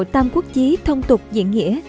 tam quốc chí thông tục diện nghĩa